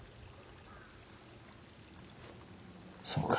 そうか。